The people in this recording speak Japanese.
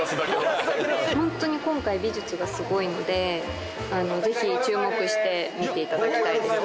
「ホントに今回美術がすごいのでぜひ注目して見ていただきたいです」